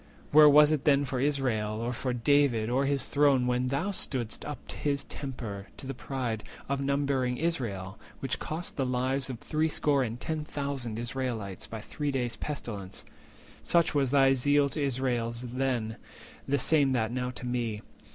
Where was it then For Israel, or for David, or his throne, When thou stood'st up his tempter to the pride Of numbering Israel—which cost the lives 410 of threescore and ten thousand Israelites By three days' pestilence? Such was thy zeal To Israel then, the same that now to me.